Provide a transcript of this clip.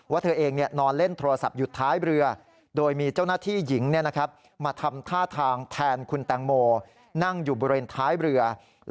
ว่าเธอเองนอนเล่นโทรศัพท์อยู่ท้ายเรือ